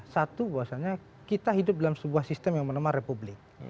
satu bahwasannya kita hidup dalam sebuah sistem yang bernama republik